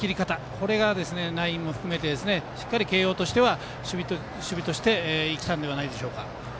これがナインも含めてしっかり慶応としては守備としていってたんじゃないでしょうか。